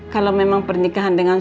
kalau memang pernikahan dengan